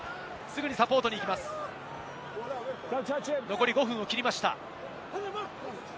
残り５分を切りました。